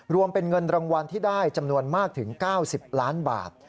รวมเป็นเงินรางวัลที่ได้จำนวนมากถึง๙๐ล้านบาท